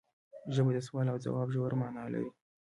ژبه د سوال او ځواب ژوره معنی لري